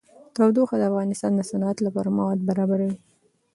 تودوخه د افغانستان د صنعت لپاره مواد برابروي.